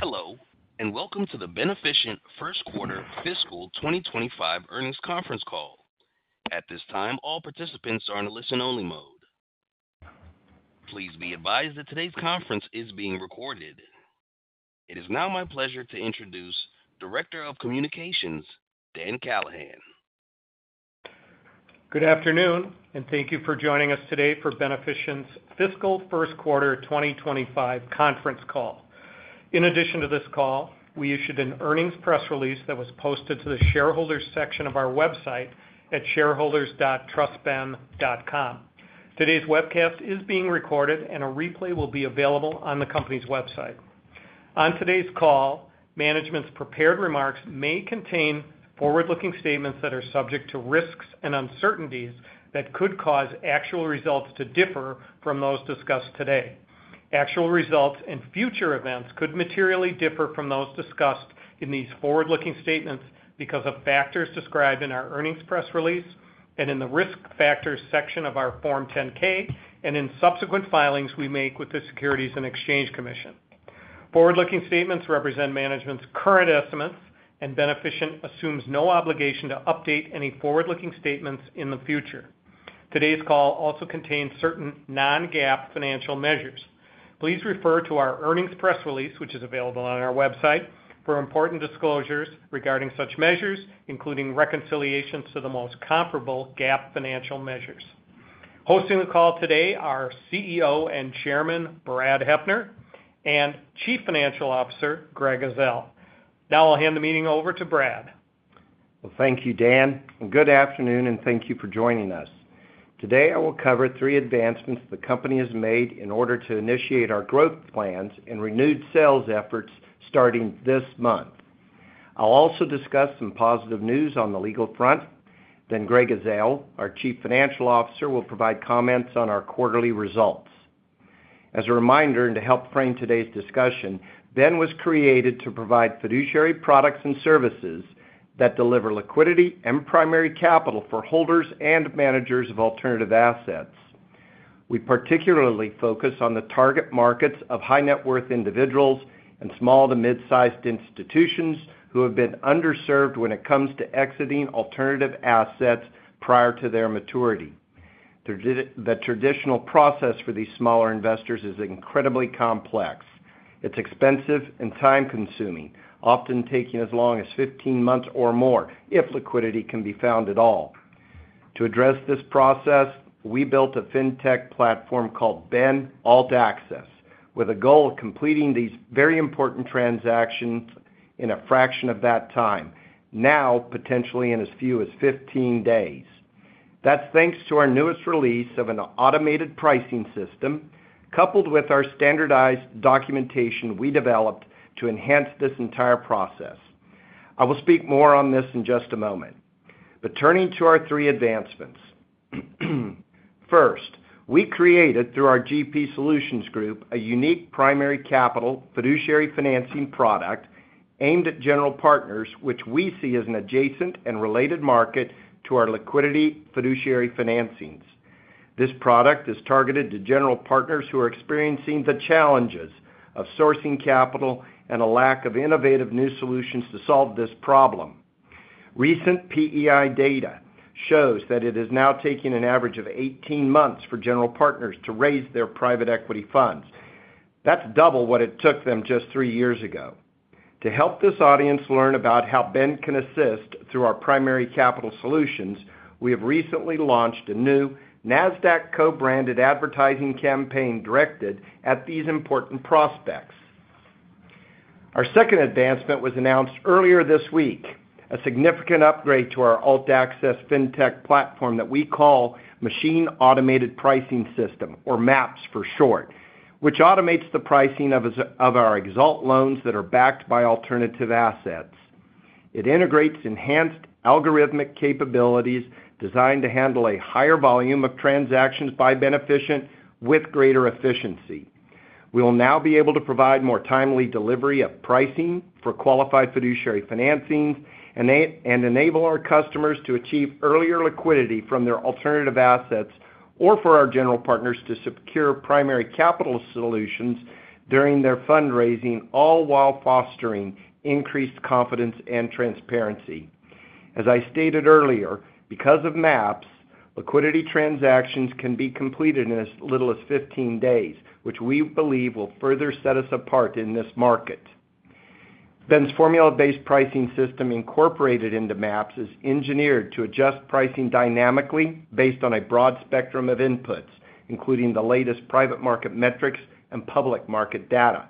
Hello, and welcome to the Beneficient Q1 fiscal 2025 earnings conference call. At this time, all participants are in a listen-only mode. Please be advised that today's conference is being recorded. It is now my pleasure to introduce Director of Communications, Dan Callahan. Good afternoon, and thank you for joining us today for Beneficient's fiscal Q1 2025 conference call. In addition to this call, we issued an earnings press release that was posted to the shareholders section of our website at shareholders.trustben.com. Today's webcast is being recorded, and a replay will be available on the company's website. On today's call, management's prepared remarks may contain forward-looking statements that are subject to risks and uncertainties that could cause actual results to differ from those discussed today. Actual results and future events could materially differ from those discussed in these forward-looking statements because of factors described in our earnings press release and in the Risk Factors section of our Form 10-K and in subsequent filings we make with the Securities and Exchange Commission. Forward-looking statements represent management's current estimates, and Beneficient assumes no obligation to update any forward-looking statements in the future. Today's call also contains certain non-GAAP financial measures. Please refer to our earnings press release, which is available on our website, for important disclosures regarding such measures, including reconciliations to the most comparable GAAP financial measures. Hosting the call today are CEO and Chairman, Brad Heppner, and Chief Financial Officer, Greg Ezell. Now I'll hand the meeting over to Brad. Well, thank you, Dan, and good afternoon, and thank you for joining us. Today, I will cover three advancements the company has made in order to initiate our growth plans and renewed sales efforts starting this month. I'll also discuss some positive news on the legal front. Then Greg Ezell, our Chief Financial Officer, will provide comments on our quarterly results. As a reminder, and to help frame today's discussion, Ben was created to provide fiduciary products and services that deliver liquidity and primary capital for holders and managers of alternative assets. We particularly focus on the target markets of high-net-worth individuals and small to mid-sized institutions who have been underserved when it comes to exiting alternative assets prior to their maturity. The traditional process for these smaller investors is incredibly complex. It's expensive and time-consuming, often taking as long as 15 months or more, if liquidity can be found at all. To address this process, we built a fintech platform called Ben AltAccess, with a goal of completing these very important transactions in a fraction of that time, now potentially in as few as 15 days. That's thanks to our newest release of an automated pricing system, coupled with our standardized documentation we developed to enhance this entire process. I will speak more on this in just a moment. Turning to our three advancements. First, we created, through our GP Solutions Group, a unique primary capital fiduciary financing product aimed at general partners, which we see as an adjacent and related market to our liquidity fiduciary financings. This product is targeted to general partners who are experiencing the challenges of sourcing capital and a lack of innovative new solutions to solve this problem. Recent PEI data shows that it is now taking an average of 18 months for general partners to raise their private equity funds. That's double what it took them just 3 years ago. To help this audience learn about how Ben can assist through our primary capital solutions, we have recently launched a new Nasdaq co-branded advertising campaign directed at these important prospects. Our second advancement was announced earlier this week, a significant upgrade to our AltAccess fintech platform that we call Machine Automated Pricing System, or MAPS for short, which automates the pricing of our ExAlt loans that are backed by alternative assets. It integrates enhanced algorithmic capabilities designed to handle a higher volume of transactions by Beneficient with greater efficiency. We will now be able to provide more timely delivery of pricing for qualified fiduciary financings and enable our customers to achieve earlier liquidity from their alternative assets, or for our general partners to secure primary capital solutions during their fundraising, all while fostering increased confidence and transparency. As I stated earlier, because of MAPS, liquidity transactions can be completed in as little as 15 days, which we believe will further set us apart in this market. Ben's formula-based pricing system, incorporated into MAPS, is engineered to adjust pricing dynamically based on a broad spectrum of inputs, including the latest private market metrics and public market data.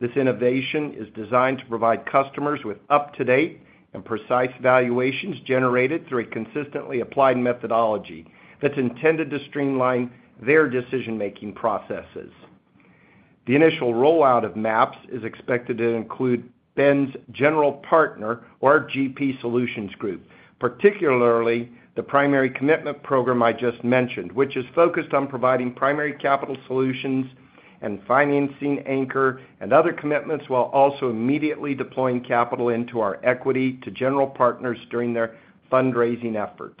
This innovation is designed to provide customers with up-to-date and precise valuations generated through a consistently applied methodology that's intended to streamline their decision-making processes. The initial rollout of MAPS is expected to include Ben's general partner or GP Solutions Group, particularly the primary commitment program I just mentioned, which is focused on providing primary capital solutions and financing anchor and other commitments, while also immediately deploying capital into our equity to general partners during their fundraising efforts.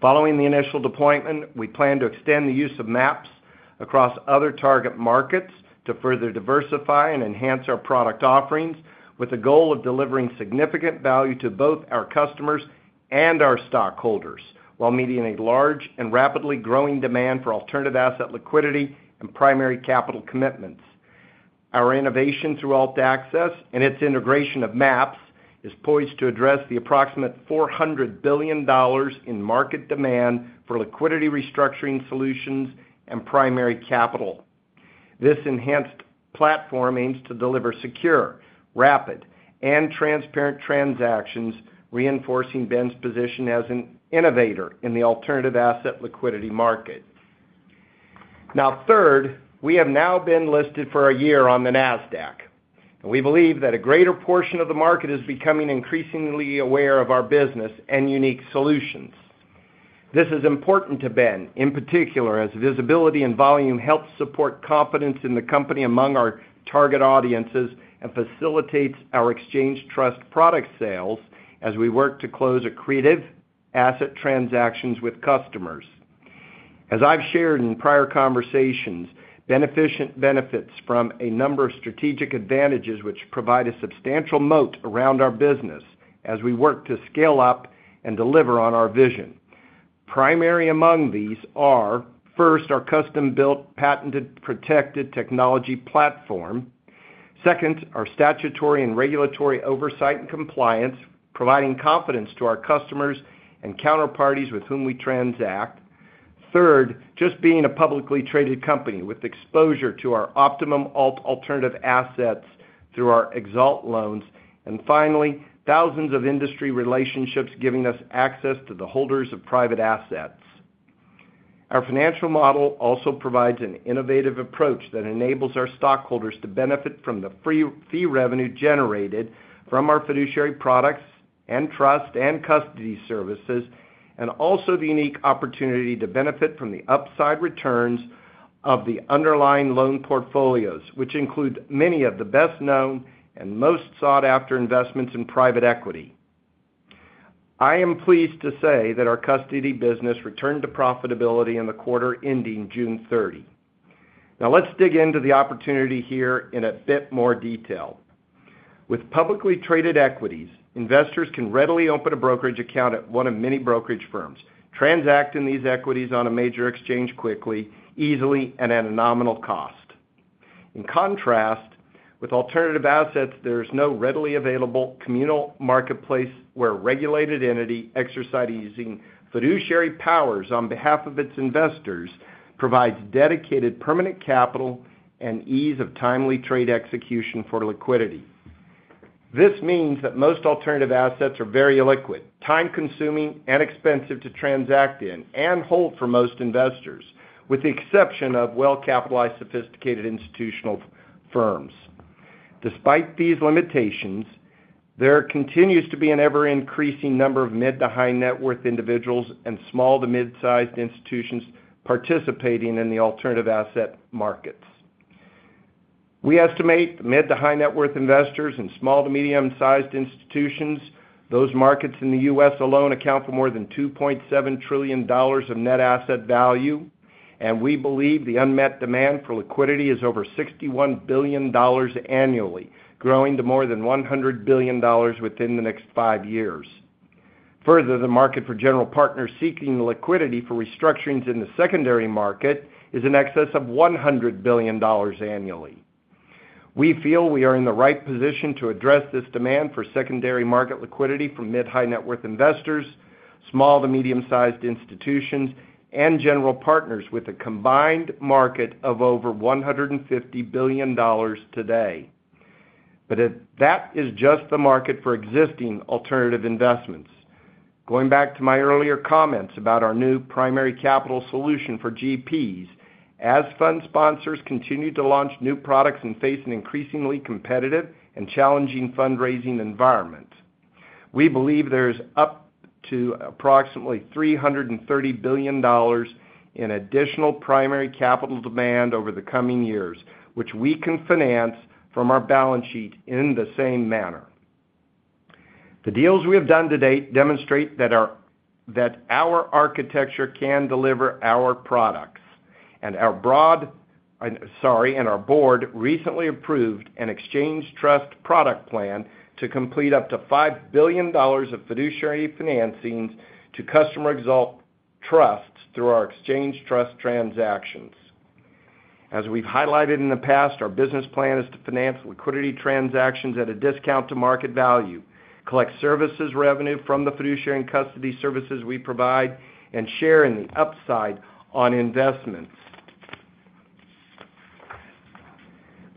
Following the initial deployment, we plan to extend the use of MAPS across other target markets to further diversify and enhance our product offerings, with the goal of delivering significant value to both our customers and our stockholders, while meeting a large and rapidly growing demand for alternative asset liquidity and primary capital commitments. Our innovation through AltAccess and its integration of MAPS is poised to address the approximate $400 billion in market demand for liquidity restructuring solutions and primary capital. This enhanced platform aims to deliver secure, rapid, and transparent transactions, reinforcing Ben's position as an innovator in the alternative asset liquidity market. Now, third, we have now been listed for a year on the Nasdaq. We believe that a greater portion of the market is becoming increasingly aware of our business and unique solutions. This is important to Ben, in particular, as visibility and volume helps support confidence in the company among our target audiences and facilitates our ExchangeTrust product sales as we work to close accretive asset transactions with customers. As I've shared in prior conversations, Beneficient benefits from a number of strategic advantages, which provide a substantial moat around our business as we work to scale up and deliver on our vision. Primary among these are, first, our custom-built, patented, protected technology platform. Second, our statutory and regulatory oversight and compliance, providing confidence to our customers and counterparties with whom we transact. Third, just being a publicly traded company with exposure to our optimum alternative assets through our ExAlt loans. And finally, thousands of industry relationships giving us access to the holders of private assets. Our financial model also provides an innovative approach that enables our stockholders to benefit from the fee revenue generated from our fiduciary products and trust and custody services, and also the unique opportunity to benefit from the upside returns of the underlying loan portfolios, which include many of the best-known and most sought-after investments in private equity. I am pleased to say that our custody business returned to profitability in the quarter ending June 30. Now, let's dig into the opportunity here in a bit more detail. With publicly traded equities, investors can readily open a brokerage account at one of many brokerage firms, transact in these equities on a major exchange quickly, easily, and at a nominal cost. In contrast, with alternative assets, there's no readily available communal marketplace where a regulated entity exercising fiduciary powers on behalf of its investors provides dedicated, permanent capital and ease of timely trade execution for liquidity. This means that most alternative assets are very illiquid, time-consuming, and expensive to transact in and hold for most investors, with the exception of well-capitalized, sophisticated institutional firms. Despite these limitations, there continues to be an ever-increasing number of mid-to-high-net-worth individuals and small to mid-sized institutions participating in the alternative asset markets. We estimate mid-to-high-net-worth investors and small to medium-sized institutions. Those markets in the U.S. alone account for more than $2.7 trillion of net asset value, and we believe the unmet demand for liquidity is over $61 billion annually, growing to more than $100 billion within the next five years. Further, the market for general partners seeking liquidity for restructurings in the secondary market is in excess of $100 billion annually. We feel we are in the right position to address this demand for secondary market liquidity from mid-high-net-worth investors, small to medium-sized institutions, and general partners with a combined market of over $150 billion today. But that is just the market for existing alternative investments. Going back to my earlier comments about our new primary capital solution for GPs, as fund sponsors continue to launch new products and face an increasingly competitive and challenging fundraising environment, we believe there's up to approximately $330 billion in additional primary capital demand over the coming years, which we can finance from our balance sheet in the same manner. The deals we have done to date demonstrate that our architecture can deliver our products, and our board recently approved an ExchangeTrust product plan to complete up to $5 billion of fiduciary financings to customer ExAlt trusts through our ExchangeTrust transactions. As we've highlighted in the past, our business plan is to finance liquidity transactions at a discount to market value, collect services revenue from the fiduciary and custody services we provide, and share in the upside on investments.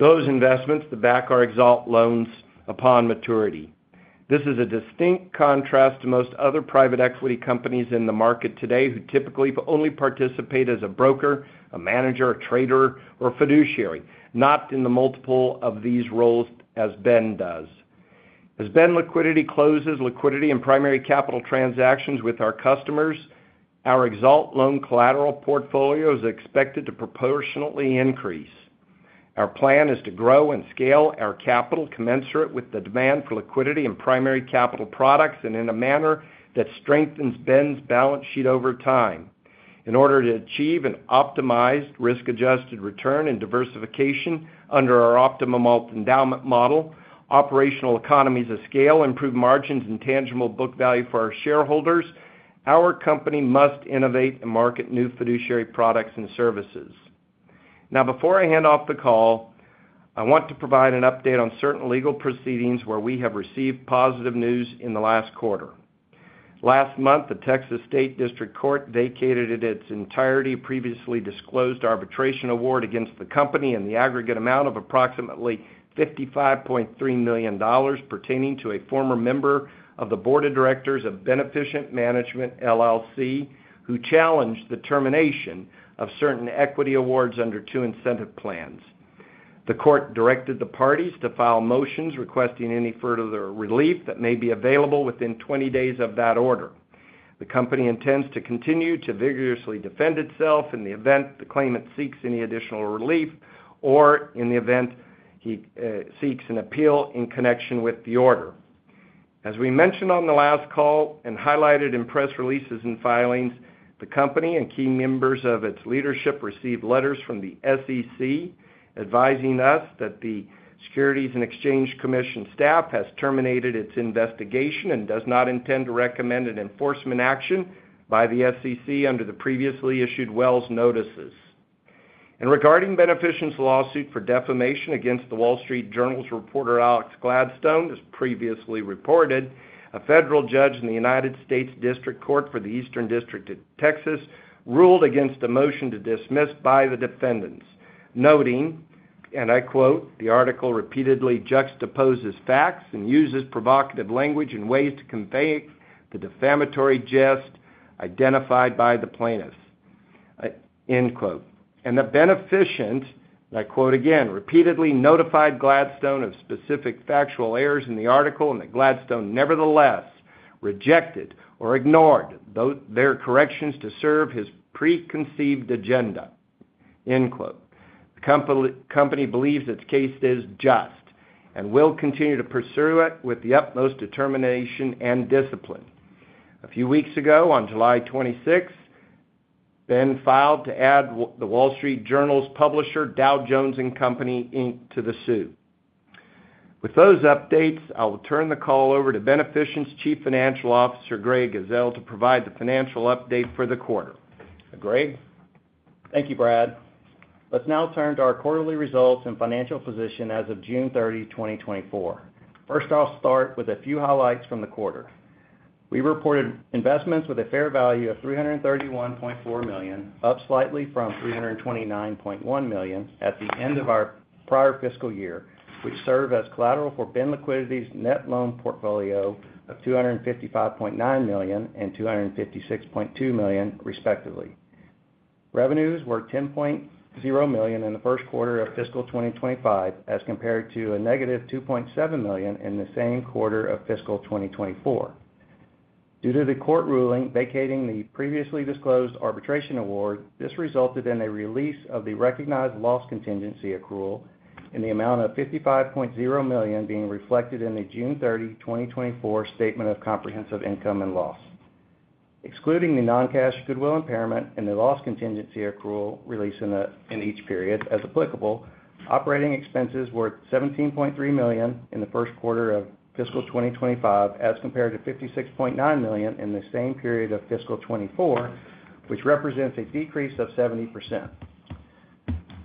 Those investments to back our ExAlt loans upon maturity. This is a distinct contrast to most other private equity companies in the market today, who typically only participate as a broker, a manager, a trader, or fiduciary, not in the multiple of these roles as Ben does. As Ben Liquidity closes liquidity and primary capital transactions with our customers, our ExAlt loan collateral portfolio is expected to proportionately increase. Our plan is to grow and scale our capital commensurate with the demand for liquidity and primary capital products, and in a manner that strengthens Ben's balance sheet over time. In order to achieve an optimized risk-adjusted return and diversification under our optimal endowment model, operational economies of scale, improved margins, and tangible book value for our shareholders, our company must innovate and market new fiduciary products and services. Now, before I hand off the call, I want to provide an update on certain legal proceedings where we have received positive news in the last quarter. Last month, the Texas State District Court vacated in its entirety a previously disclosed arbitration award against the company in the aggregate amount of approximately $55.3 million pertaining to a former member of the board of directors of Beneficient Management LLC, who challenged the termination of certain equity awards under two incentive plans. The court directed the parties to file motions requesting any further relief that may be available within 20 days of that order. The company intends to continue to vigorously defend itself in the event the claimant seeks any additional relief, or in the event he seeks an appeal in connection with the order. As we mentioned on the last call and highlighted in press releases and filings, the company and key members of its leadership received letters from the SEC, advising us that the Securities and Exchange Commission staff has terminated its investigation and does not intend to recommend an enforcement action by the SEC under the previously issued Wells notices. Regarding Beneficient's lawsuit for defamation against The Wall Street Journal's reporter, Alex Gladstone, as previously reported, a federal judge in the United States District Court for the Eastern District of Texas ruled against a motion to dismiss by the defendants, noting, and I quote, "The article repeatedly juxtaposes facts and uses provocative language in ways to convey the defamatory gist identified by the plaintiffs." End quote. And that Beneficient, and I quote again, "Repeatedly notified Gladstone of specific factual errors in the article, and that Gladstone nevertheless rejected or ignored their corrections to serve his preconceived agenda." End quote. The company believes its case is just and will continue to pursue it with the utmost determination and discipline. A few weeks ago, on July twenty-sixth, Ben filed to add The Wall Street Journal's publisher, Dow Jones & Company, Inc., to the suit. With those updates, I will turn the call over to Beneficient's Chief Financial Officer, Greg Ezell, to provide the financial update for the quarter. Greg? Thank you, Brad. Let's now turn to our quarterly results and financial position as of June 30, 2024. First, I'll start with a few highlights from the quarter. We reported investments with a fair value of $331.4 million, up slightly from $329.1 million at the end of our prior fiscal year, which serve as collateral for Ben Liquidity's net loan portfolio of $255.9 million and $256.2 million, respectively. Revenues were $10.0 million in the Q1 of fiscal 2025, as compared to -$2.7 million in the same quarter of fiscal 2024. Due to the court ruling vacating the previously disclosed arbitration award, this resulted in a release of the recognized loss contingency accrual in the amount of $55.0 million being reflected in the June 30, 2024 statement of comprehensive income and loss. Excluding the non-cash goodwill impairment and the loss contingency accrual released in each period, as applicable, operating expenses were $17.3 million in the Q1 of fiscal 2025, as compared to $56.9 million in the same period of fiscal 2024, which represents a decrease of 70%.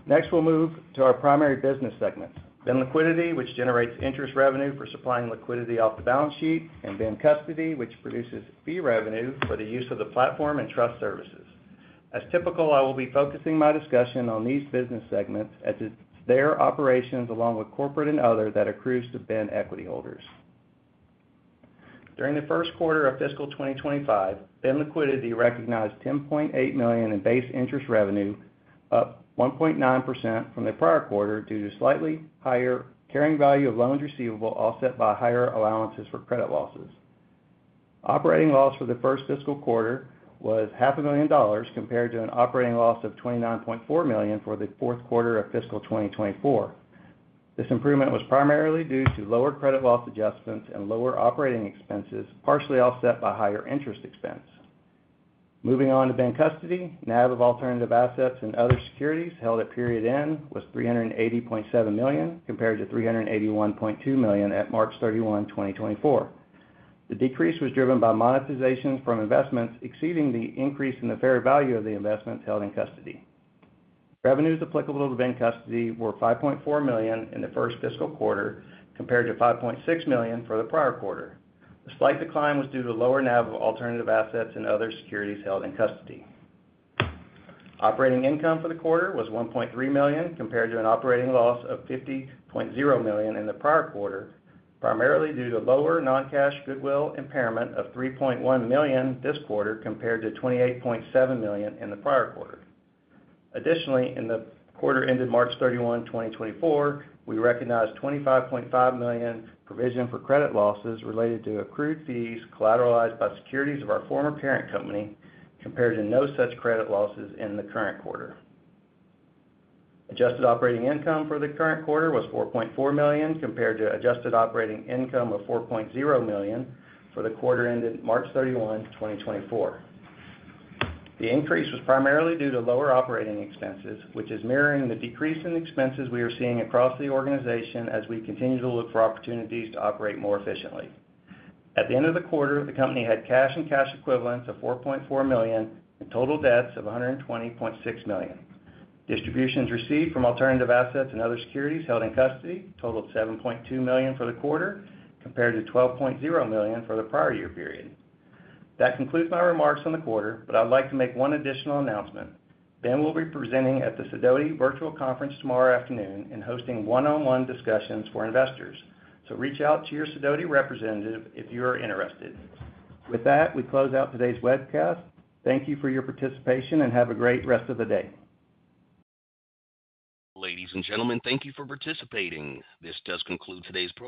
Next, we'll move to our primary business segments. Ben Liquidity, which generates interest revenue for supplying liquidity off the balance sheet, and Ben Custody, which produces fee revenue for the use of the platform and trust services. As typical, I will be focusing my discussion on these business segments as it's their operations, along with corporate and other, that accrues to Ben equity holders. During the Q1 of fiscal 2025, Ben Liquidity recognized $10.8 million in base interest revenue, up 1.9% from the prior quarter due to slightly higher carrying value of loans receivable, offset by higher allowances for credit losses. Operating loss for the first fiscal quarter was $500,000, compared to an operating loss of $29.4 million for the Q4 of fiscal 2024. This improvement was primarily due to lower credit loss adjustments and lower operating expenses, partially offset by higher interest expense. Moving on to Ben Custody, NAV of alternative assets and other securities held at period end was $380.7 million, compared to $381.2 million at March thirty-one, 2024. The decrease was driven by monetizations from investments exceeding the increase in the fair value of the investments held in custody. Revenues applicable to Ben Custody were $5.4 million in the first fiscal quarter, compared to $5.6 million for the prior quarter. The slight decline was due to lower NAV of alternative assets and other securities held in custody. Operating income for the quarter was $1.3 million, compared to an operating loss of $50.0 million in the prior quarter, primarily due to lower non-cash goodwill impairment of $3.1 million this quarter, compared to $28.7 million in the prior quarter. Additionally, in the quarter ended March 31, 2024, we recognized $25.5 million provision for credit losses related to accrued fees collateralized by securities of our former parent company, compared to no such credit losses in the current quarter. Adjusted operating income for the current quarter was $4.4 million, compared to adjusted operating income of $4.0 million for the quarter ended March 31, 2024. The increase was primarily due to lower operating expenses, which is mirroring the decrease in expenses we are seeing across the organization as we continue to look for opportunities to operate more efficiently. At the end of the quarter, the company had cash and cash equivalents of $4.4 million and total debts of $120.6 million. Distributions received from alternative assets and other securities held in custody totaled $7.2 million for the quarter, compared to $12.0 million for the prior year period. That concludes my remarks on the quarter, but I'd like to make one additional announcement. Ben will be presenting at the Sidoti virtual conference tomorrow afternoon and hosting one-on-one discussions for investors. So reach out to your Sidoti representative if you are interested. With that, we close out today's webcast. Thank you for your participation, and have a great rest of the day. Ladies and gentlemen, thank you for participating. This does conclude today's presentation.